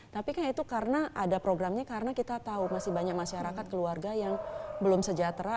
tapi kan itu karena ada programnya karena kita tahu masih banyak masyarakat keluarga yang belum sejahtera